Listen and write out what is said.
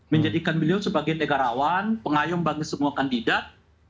menjadikan beliau sebagai negarawan pengayom bagi semua kandidat